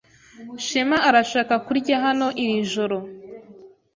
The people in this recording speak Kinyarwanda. Shema arashaka kurya hano iri joro.